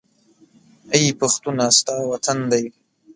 اې پښتونه! ستا وطن دى